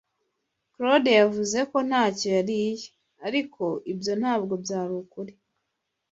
Claude yavuze ko ntacyo yariye, ariko ibyo ntabwo byari ukuri.